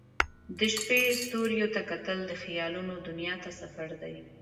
د شپې ستوریو ته کتل د خیالونو دنیا ته سفر دی.